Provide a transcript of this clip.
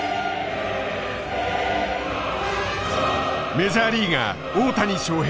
メジャーリーガー大谷翔平。